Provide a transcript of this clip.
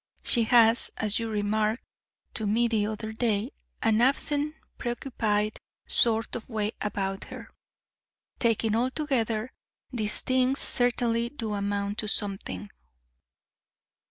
She has, as you remarked to me the other day, an absent, preoccupied sort of way about her. Taken altogether, these things certainly do amount to something."